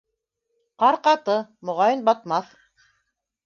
Ҡар ҡаты, моғайын, батмаҫ.